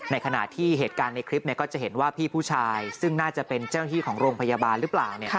ขณะที่เหตุการณ์ในคลิปก็จะเห็นว่าพี่ผู้ชายซึ่งน่าจะเป็นเจ้าหน้าที่ของโรงพยาบาลหรือเปล่า